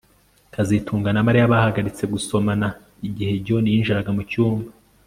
kazitunga na Mariya bahagaritse gusomana igihe John yinjiraga mucyumba